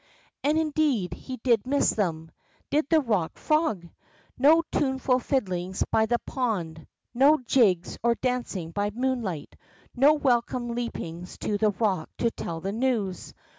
And indeed he did miss them, did the Rock Frog! 'No tuneful fiddlings by the pond, no jigs or dancing by moonlight, no welcome leapings to the rock to tell the news.